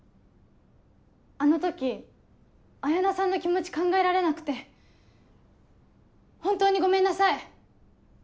あの時彩菜さんの気持ち考えられなくて本当にごめんなさい。